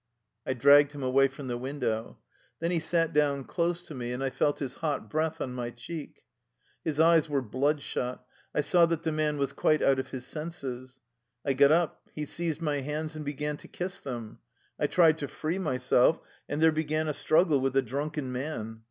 I dragged him away from the window. Then he sat down close to me, and I felt his hot breath on my cheek. His eyes were bloodshot. I saw that the man was quite out of his senses. I got up, he seized my hands, and began to kiss them. I tried to free myself, and there began a struggle with a drunken man.